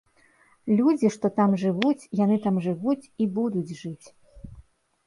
Людзі, што там жывуць, яны там жывуць і будуць жыць.